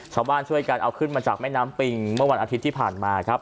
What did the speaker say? ชาวบ้านช่วยกันเอาขึ้นมาจากแม่น้ำปิงเมื่อวันอาทิตย์ที่ผ่านมาครับ